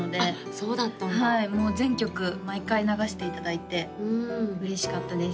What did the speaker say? そうだったんだはいもう全曲毎回流していただいて嬉しかったです